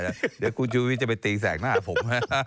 เดี๋ยวกรุงชีวิตจะไปตีแสงหน้าผม